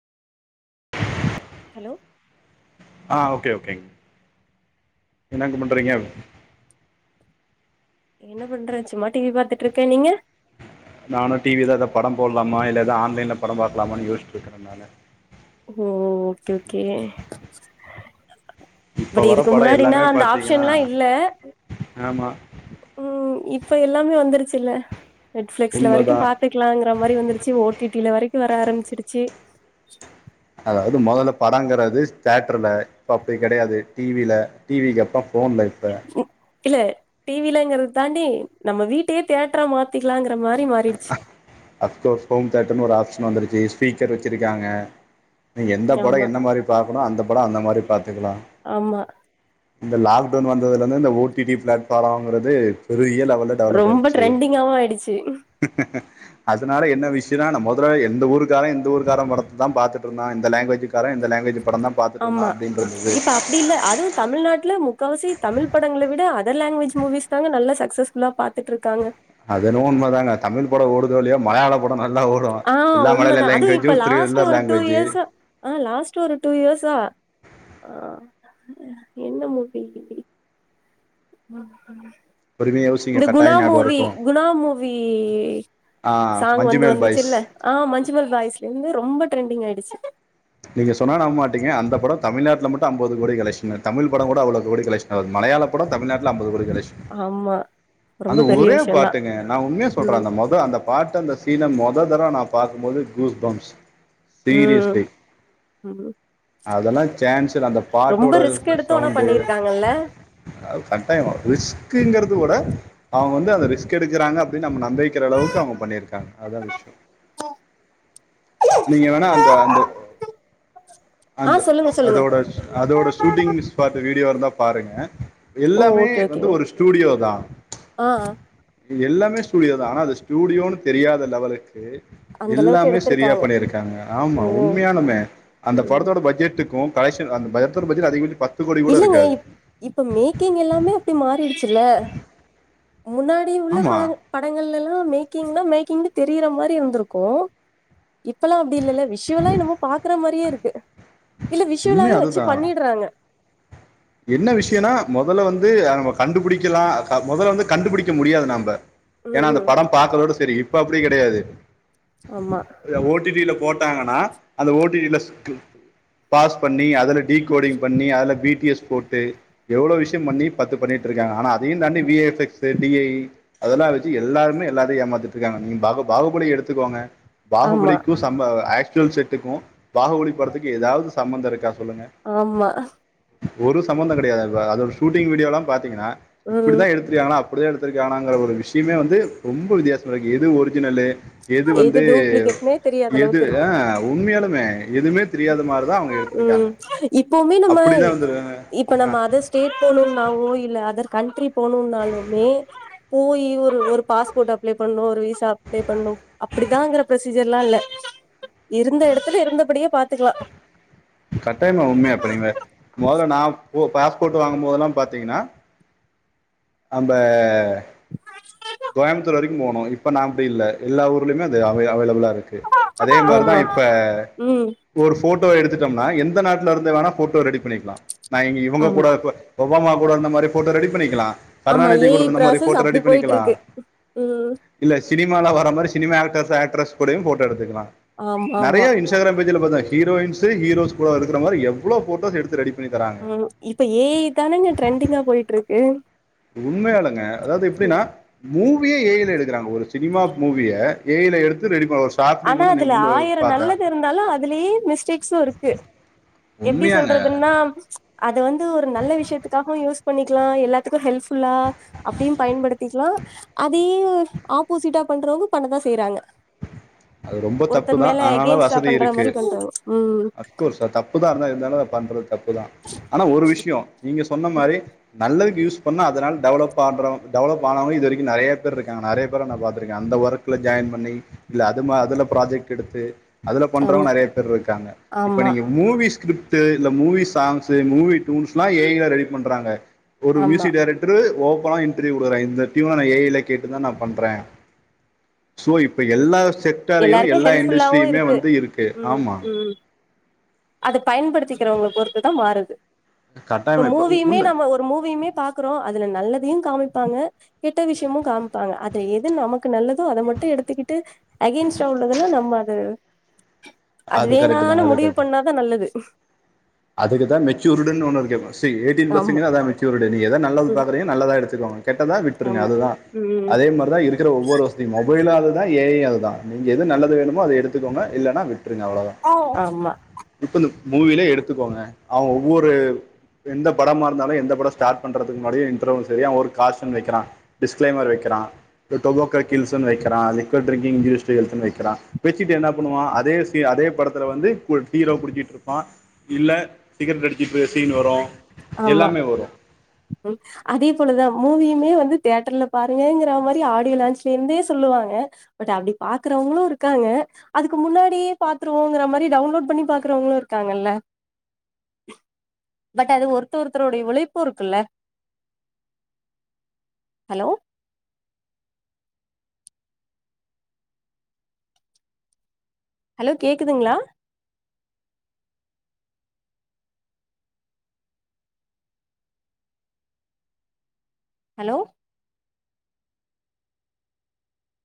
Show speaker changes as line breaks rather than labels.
Hello
ஆ okay ஓகேங் என்னங்க பண்றீங்க
என்ன பண்ற சும்மா டி வி பாத்துட்ருக்கே நீங்க
நானு டி வி தா எதா படொ போட்லாமா இல்ல எதா ஆன்லைன்ல படொ பாக்லாமானு யோசிச்ட்ருக்குற நானு
ஓ ஓகே ஓகே
இப்போ
பட்
வர
இதுக்கு
படம்
முன்னாடினா
எல்லாமே
அந்த
பார்த்தீங்கன்னா
ஆப்ஷன்லா இல்ல
ஆமாம்
ம் இப்ப எல்லாமே வந்துருச்சில்ல நெட்ஃபிளிக்ஸ்ல
உண்மை
வரைக்கு
தான்
பாத் துக்லாங்குற மாரி வந்துருச்சி ஓ டி டி ல வரைக்கு வர ஆரம்பிச்சிடுச்சி
அதாவது மொதல்ல படங்குறது தேட்ருல இப்ப அப்டி கெடையாது டி வி ல டி வி க் அப்றோ ஃபோன் தா இப்ப
ம் இல்ல டி வி லைங்றத தாண்டி நம்ம வீட்டயே தேட்ரா மாத் திங்லாங்குற மாரி மாறிடுச்சி
அப்கோர்ஸ் ஹோம் தேட்ருனு ஒரு ஆப்ஷன் வந்துருச்சி ஸ்பீக்கர் வச்சிருக்காங்க நீ எந்த படோ
ஆமா
என்ன மாரி பாக்கணு அந்த படோ அந்த மாரி பாத்துக்குலா
ஆமா
இந்த லாக்டவுன் வந்ததுலந்து இந்த ஓ டி டி பிளாட்பாலோங்குறது பெரிய லெவல
ரொம்ப ட்ரெண்டிங்காவும் ஆயிடுச்சு
அதனால என்ன விஷயன்னா மொதல்ல எந்த ஊர்க்காரன் எந்த ஊர்காரன். படத்ததான் பாத்தூட்டு இருந்தான் இந்த லாங்குவேஜு கார இந்த லாங்குவஜு படந்தா
ஆமா இப்ப அப் ப்படில்ல அதும் தமிழ்நாட்ல முக்காவாசி தமிழ் படங்கல விட அதர் லாங்குவஜ் மூவிஸ் தாங்க நல்ல சக்சஸ் ஃபுல்லா பாத்துட்டுருக்காங்க
அதுன்னவோ உண்மை தாங்க தமிழ் படம் ஒடூதோ இல்லயோ மலையாள ட நல்லா ஓடும்
ஆ
எல்லா மலையாள
உண்மதான். அதுவும்
லாங்குவேஜு
இப்ப லாஸ்ட்
திருவள்ளர்
ஒரு
லாங்குவேஜ்
இயர்ஸா ஆ லாஸ்ட் ஒரு டூ இயர்ஸா அ என்ன மூவி
பொறுமையாக யோசிங்க
இந்த குணா
கட்டாயம் ஞாபகம்
மூவி
இருக்கும்
குணா மூவி
ஆ,
சாங் வந்து
மஞ்சுமேல்
வந்துச்சு
பாய்ஸ்
இல்ல ஆ மஞ்சுமல் பாய்ஸ்ல வந்து ரொம்ப ட்ரெண்டிங் ஆயிடுச்சு
நீங்க சொன்னா நம்மமாட்டிங்க அந்த படம் தமிழ்நாட்டல மட்டு ஐம்பது கோடி கலெ்க்‌ஷ்னு தமிழ் பட கூட அளவு கோடி கலெக்ஷன் மலையாள படம் தமிழ்நாட்டுல ஐம்பது கோடி கலக்‌ஷன்
ஆமா.
அந்த
ரொம்ப பெரிய
ஒரே
விஷயம் தான்.
பாட்டுங்க நா உண்மய சொல்றே
ம்.
அந்த மொத அந்த பாட்டு அந்த சீன மொத தர நா பாக்குபோது கூஸ் பம்ஸ்
ம் ம்
அதெல்லா சான்ஸேல்ல அந்த
ரொம்ப
பாட்டோட
ரிஸ்க் எடுத்து ஆனா
சவுண்டு
பண்ணியிருக்காங்கல்ல.
அது கட்டாயொ ரிஸ்க்குங்கறத விட அவுங்க வந்து அந்த ரிஸ்க் எடுக்கிறாங்க அப்டின்னு நம்ம நம்ப வக்கிறளவுக்கு அவுங்க பண்ணியிருக்காங்க அதுதா விஷயொம்
[inaudible]
நீங்க வேணா அந்த அந்த
ஆ
அந்த
சொல்லுங்க, சொல்லுங்க.
அதோட அதோட ஷூட்டிங் ஸ்பாட் வீடியோ இருந்தா பாருங்க
ஓ!
எல்லாமே
ஓகே,
வந்து
ஓகேங்க.
ஒரு ஸ்டுடியோ தான்
ஆ
எல்லாமே ஸ்டூடியோ தான் ஆனா அது ஸ்டூடியோன்னு தெரியாத லெவலுக்கு
அந்த அளவுக்கு
எல்லாமே சரியா
எடுத்திருக்காங்க.
பண்ணிருக்காங்க ஆமா
ஓ!
உண்மையாலூமே அந்த
ம்.
படத்தோட பஜட்டுக்கும் கலெஷன் அந்த பஜ்ஜட் அதிகபச் பா
இல்லலைங்க இப்ப மேக்கிங் எல்லாமே அப்படி மாறிடுச்சுல்ல முன்னாடி உள்ள
ஆமாம்
படங் படங்கள்ல எல்லாம் மேக்கிங்லாம் மேக்கிஙு தெரியிற மாதிரி இருந்திருக்கும் இப்பெல்லாம் அப்படி இல்ல வி விஷுவலா என்னமோ பாக்குற மாதியே இருக்கு இல்ல
உண்மை
விஷவலாவவே வச்சு
அதுதான்
பண்ணிடுறாங்க
என்ன விஷயம்னா முதல்ல வந்து நம்ம கண்டுபிடிக்கலாம் முதல்ல வந்து கண்டுபிடிக்க முடியாது நாம்ப
ம்
ஏன்னா அந்த
ம்
படம் பார்கறதோட சரி இப்ப அப்படி கிடையாது
ஆமா
ஓ டி டி ல போட்டாங்கன்னா அந்த ஓடி டி ல பாஸ் பண்ணி அதுல டிகோடிங் பண்ணி அதுல பி டி எஸ் கோட்டு எவ்வளவு விஷயம் பண்ணி பத்து பண்ணிட்டு இருக்காங்க ஆனா அதையும் தாண்டி V F X, D A E அதெல்லாம் வச்சு எல்லாருமே எல்லாத்தையும் ஏமாத்துட்டு இருக்காங்க நீங்க பாகு பாகுபலி எடுத்துக்கோங்க
ஆமா
பாகுபலிக்கும் சம்ப ஆக்சுவல் செட்டுக்கும் பாகுபலி படத்துக்கும் ஏதாவது சம்பந்தம் இருக்கா சொல்லுங்க
ஆமா
ஒரு சம்பந்தம் கிடையாது ஷூட்டிங் வீடியோல்லாம் பாத்தீங்கன்னா
ம்
இப்படித்தான் எடுத்து அப்படிதான் எடுத்தத்துருக்காங்களான்ற ஒரு விஷயமே வந்து ரொம்ப வித்தியசம இருக்கு எது ஒரிஜினலு எது வந்து
டூப்ளிகேட்னே தெரியாத
எது
அளவுக்கு இருக்கு
ஆ
ம்
உண்மையாலுமே எதுவுமே தெரியாத மாதிரிதான் அவங்க எடுத்திருக்காங்க
ம் இப்பவுமே நம்ம
அப்டிதா வந்து
இப்ப நம்ம அது ஸ்டேட் போணும்னாவும் இல்ல அதர் கண்டட்ரி போனும்னாலுமே போயி ஒரு ஒரு பாஸ்போர்ட் அப்ளை பண்ணூ ஒரு வீசா அப்ளை பண்ணும் அப்டிதாங்கிற ப்ரொசீஜர்ல்லா இல்ல இருந்த எடத்துலே இருந்தபடியே பாத்துக்லா
கட்டாயமா உண்மையாப்ப நீங்க மொதல்ல நா போ பாஸ்போட்டு வாங்கும் போதெல்லாம் பாத்தீங்கன்னா நம்ப
[unintelligible]
கோயம்முத்தூர் வரைக்கும் போனு இப்ப நாப்டி இல்ல எல்லா ஊர்லயுமே அது அவை அவைலபிளா இருக்கு க்கு அதே மார்தா
ஆமா
இப்ப
ம்
ஒரு ஃபோட்டோவ எடுத்துட்டோம்னா எந்த நாட்ல இருந்தே வேணா ஃபோட்டோ ரெடி பண்ணிக்லா நா இங்க இவங்க கூட
ஆமா
ஒபாமா கூட இருந்த மாரி ஃபோட்டோ ரெடி பண்ணிக்கலா
ஆமா ஏ ஐ ப்ராசஸ் அப்டி போயிட்ருக்கு ம்
இல்ல சினிமால வற மாரி சினிமா ஆக்டர்ஸ் ஆக்ட்ரஸ் கூடயு ஃபோட்டோ எடுத்துக்கலா
ஆமா
நறைய
ஆமா
இன்ஸ் இன்ஸ்டாகிராம் பேஜில பாத்தா ஹீரோயின்ஸு ஹீரோஸ் கூடருக்குற மாரி எவ்ளோ ஃபோட்டோஸ் எடுத்து ரெடி பண்ணி தராங்க
ம் இப்ப ஏ ஐ தானங்க ட்ரெண்டிங்கா போயிட்ருக்கு
உண்மையாளுங்க அதாவ்து எப்டின்னா மூவிய ஏ ஐ ல எடுக்குறாங்க ஒரு சினிமா மூவிய ஏ ஐ ல எடுத்து ரெடி பண்ண வருஷ்
ஆனா அதுல ஆயிரொ நல்லது இருந்தாலு அதுலயே மிஸ்டேக்ஸு இருக்கு எப்டி
உண்மையாங்க
சொல்றதுன்னா அத வந்து ஒரு நல்ல விஷயத்துக்காகவு யூஸ் பண்ணிக்லா எல்லாத்துக்கூ ஹெல்ப்ஃபுல்லா அப்டியும் பயன்படுத்திக்லா அதையே ஆப்போசிட்டா பண்றவுங்க பண்ணதா செய்றாங்க
அது ரொம்போ தப்பு
ஒருத்தர்
தா
மேல
அதனால
எகெய்ன்ஸ்டா
வசதி
பண்ற
இருக்கு
மாரி பண்றாங்க ம்
ஆஃப்கோர்ஸ் அது தப்புதா இருந்தா இருந்தாலு அத பண்றது தப்புதா ஆனா ஒரு விஷயோ நீங்க சொன்ன மாரி நல்லதுக்கு யூஸ் பண்ணா அதனால டெவலப் ஆட்றவங் டெவலப் ஆனவங்க இது வரைக்கூ நறைய பேர் இருக்காங்க நறைய பேர நா பாத்துருக்கே அந்த ஒர்க் க்குல ஜாயின் பண்ணி ல்ல அதுமா அதுல ப்ராஜெக்ட் எடுத்து அதுல பண்றவங்க
ஆமா
நறைய பேர் இருக்காங்க இப்ப
ஆமா
நீங்க மூவிஸ்கிரிப்ட்டு இல்ல மூவி சாங்ஸு மூவி டூன்ஸ்லா ஏ ஐ ல ரெடி பண்றாங்க ஒரு
ஆமா
மியூசிக் டேரக்ட் ட்ரு ஓபனா இன்ட்ரீவ் குடுக்குறா இந்த ட்யூன நா ஏ ஐல கேட்டு தா நா பண்றே சோ இப்ப எல்லா செக்டாரையு
எல்லாருக்கு
எல்லா
ஹெல்ப்ஃபுல்லாவு
இண்டஸ்ட்ரியுமே வந்து இருக்கு
ம்
ஆமா
ம் அத பயன்படுத்திக்கிறவங்க பொறுத்து தா மாறுது இப்ப
கட்டாயமா
மூவியுமே
ஒன்னு
நம்ம ஒரு மூவியுமே பாக்குறோ அதுல நல்லதையு காமிப்பாங்க கெட்ட விஷயமு காம்ப்பாங்க அதுல எது நமக்கு நல்லதோ அத மட்டு எடுத்துக்கிட்டு அகென்ஸ்டா உள்ளதெல்லா நம்ம அது அது
கரெக்ட்
வேணானு
தாங்க
முடிவு பண்ணாதா நல்லது
அதுக்குதா மெச்சூருடுன்னு ஒன்னு இருக்கே ஃபஸ்டு எயிட்டின்
ஆமா
ப்ளஸுங்களே அதா மெச்சூருடு நீ எத நல்லது
ம்
பாக்கறீங்க நல்லதா எடுத்துக்கோங்க கெட்டதா விட்டுருங்க
ஆமா
அதுதா
ம்
அதே மாரி தா இருக்கிற ஒவ்வொரு வசதி மொபைலு அதுதா ஏ ஐ யு அதுதா நீங்க எது நல்லது வேணுமோ அத எடுத்துக்கோங்க இல்லனா விட்ருங்க அவ்ளோதா
ஆமா
இப்ப இந்த மூவிலே எடுத்துக்கோங்க அவுங்க ஒவ்வொரு எந்த படமா இருந்தாலு எந்த படொ ஸ்டார்ட் பண்றதுக்கு முன்னாடியு இன்டர்வு சரியா அவ ஒரு காஸ்டன் வைக்கிறா டிஸ்கிளைமர் வைக்கிறான் டொபோக்கோ கில்ஸ்ன்னு வைக்கிறான் லிக்கட் ட்ரிங்கிங் இன்ஜூரியஸ் டு ஹெல்த்ன்னு வைக்கிறான் வெச்சிட்டு என்ன பண்ணுவா அதே சி அதே படத்துல வந்து கூல் ஹீரோ குடிச்சிட்ருப்பா இல்ல சிகரெட் அடிச்சுட்டுருக்க சீனு வரு
ஆமா
எல்லாமே வரு
அதே போலதா மூவியுமே வந்து தியட்டர்ல பாருங்கங்கிற மாரி ஆடியோ லான்ச்ல இருந்தே சொல்லுவாங்க பட் அப்டி பாக்குறவங்களு இருக்காங்க அதுக்கு முன்னாடியே பாத்துருவோங்கற மாரி டவுன்லோட் பண்ணி பாக்குறவங்களூ இருக்காங்கல்ல பட் அது ஒரு து ஒருத்தருடைய உழைப்பு இருக்குல்ல ஹலோ ஹலோ கேக்குதுங்களா ஹலோ